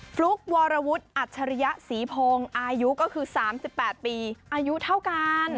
ฟลุ๊กวรวุฒิอัจฉริยศรีพงศ์อายุก็คือ๓๘ปีอายุเท่ากัน